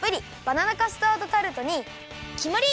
バナナカスタードタルトにきまり！